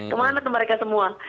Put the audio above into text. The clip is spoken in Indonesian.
kemana tuh mereka semua